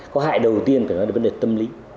có hại đầu tiên là vấn đề tâm lý